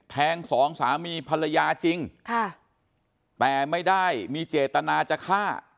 สองสามีภรรยาจริงค่ะแต่ไม่ได้มีเจตนาจะฆ่า